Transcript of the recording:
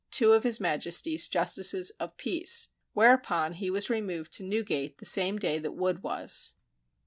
two of his Majesty's justices of peace, whereupon he was removed to Newgate the same day that Wood was.